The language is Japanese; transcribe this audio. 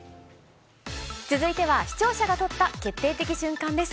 続いては視聴者が撮った決定的瞬間です。